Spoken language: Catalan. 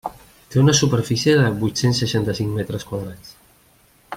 Té una superfície de vuit-cents seixanta-cinc metres quadrats.